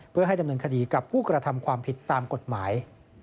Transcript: เพื่อให้ดำเนินคดีกับผู้กระทำความผิดตามกฎหมาย